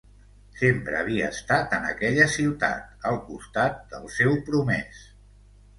Sempre havia estat en aquella ciutat, al costat del seu promés.